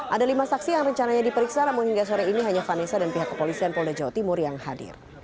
ada lima saksi yang rencananya diperiksa namun hingga sore ini hanya vanessa dan pihak kepolisian polda jawa timur yang hadir